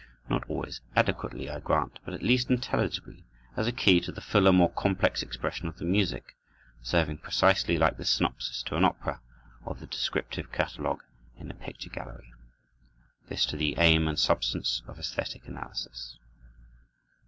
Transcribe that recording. Not always adequately, I grant, but at least intelligibly, as a key to the fuller, more complex expression of the music; serving precisely like the synopsis to an opera, or the descriptive catalogue in a picture gallery. This is the aim and substance of esthetic analysis.